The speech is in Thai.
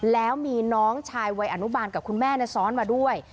แล้วมีน้องชายวัยอนุบาลกับคุณแม่ซ้อนมาด้วย